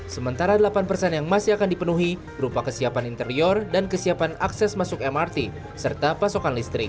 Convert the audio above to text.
sementara delapan persen yang masih akan dipenuhi berupa kesiapan interior dan kesiapan akses masuk mrt serta pasokan listrik